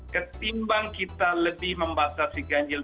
ketimbang kita lebih membatasi ganjil